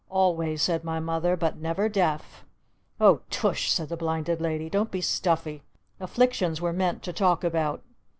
"Always," said my Mother. "But never deaf!" "Oh Tush!" said the Blinded Lady. "Don't be stuffy! Afflictions were meant to talk about!"